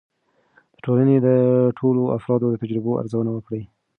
د ټولنې د ټولو افرادو د تجربو ارزونه وکړئ.